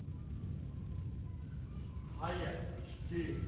早く聞けよ。